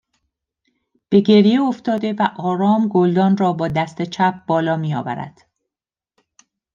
به گریه افتاده و آرام گلدان را با دست چپ بالا میآورد